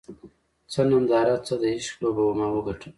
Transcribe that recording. څه ننداره څه د عشق لوبه وه ما وګټله